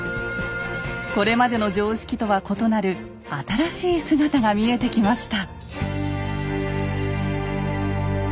これまでの常識とは異なる新しい姿が見えてきました。